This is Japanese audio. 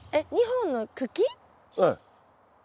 ２本の茎。